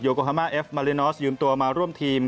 โกฮามาเอฟมารินอสยืมตัวมาร่วมทีม